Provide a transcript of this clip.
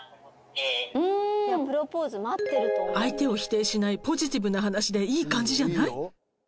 相手を否定しないポジティブな話でいい感じじゃない？